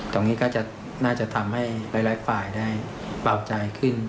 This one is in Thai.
ตรงนี้ก็จะน่าจะทำให้หลายฝ่ายได้เบาใจขึ้น